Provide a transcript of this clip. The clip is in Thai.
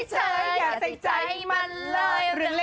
อย่าใส่ใจให้มันเลย